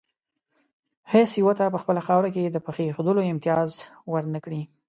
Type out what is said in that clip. هېڅ یو ته په خپله خاوره کې د پښې ایښودلو امتیاز ور نه کړي.